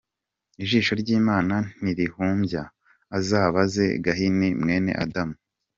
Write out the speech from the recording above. Ijisho ry’Imana ntirihumbya, azabaze Gahini mwene Adamu!